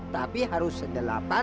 tapi harus sedelapan